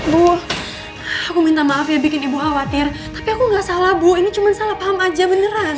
bu aku minta maaf ya bikin ibu khawatir tapi aku nggak salah bu ini cuma salah paham aja beneran